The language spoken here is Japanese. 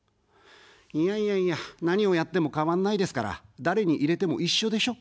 いやいやいや、何をやっても変わんないですから、誰に入れても一緒でしょ。